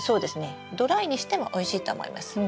ドライにしてもおいしいと思います。